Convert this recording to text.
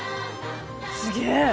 すげえ！